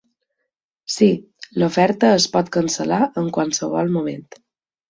Sí, l'oferta es pot cancel·lar en qualsevol moment.